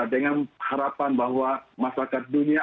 dengan harapan bahwa masyarakat dunia